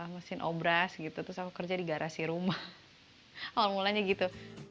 mesin obras gitu terus aku kerja di garasi rumah awal mulanya gitu